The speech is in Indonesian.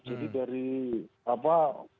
jadi dari apa